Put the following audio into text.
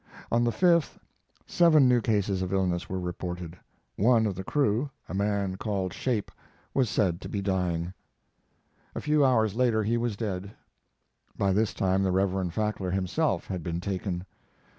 On the 5th seven new cases of illness were reported. One of the crew, a man called "Shape," was said to be dying. A few hours later he was dead. By this time the Reverend Fackler himself had been taken.